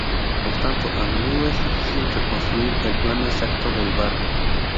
Por tanto, a menudo es difícil reconstruir el plano exacto del barco.